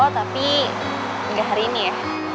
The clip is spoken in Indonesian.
tapi enggak hari ini ya